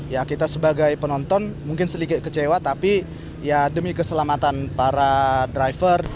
ya kita sebagai penonton mungkin sedikit kecewa tapi ya demi keselamatan para driver